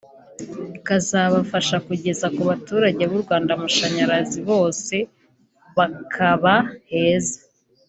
ikazabafasha kugeza ku baturage b’u Rwanda amashanyarazi bose bakaba heza